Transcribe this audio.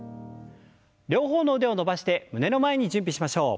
両方の腕を伸ばして胸の前に準備しましょう。